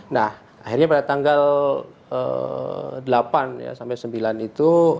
nah akhirnya pada tanggal delapan ya sampai sembilan itu